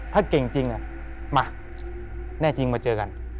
ถ้าเก่งจริงมาแน่จริงมาเจอกัน